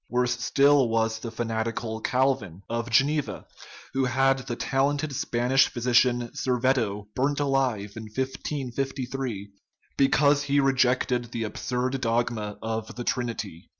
Worse still was the fanatical Calvin, of Geneva, who had the talented Spanish phy sician, Serveto, burned alive in 1553, because he re jected the absurd dogma of the Trinity.